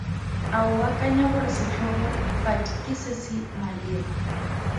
A o akanya gore setlhogo padi ke se se maleba?